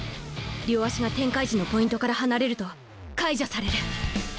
両足が展開時のポイントから離れると解除される。